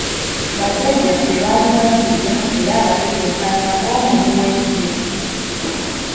Ba Jjajjaffe baali bayiiya era abatetenkanya ng’omumwi w’ekirevu.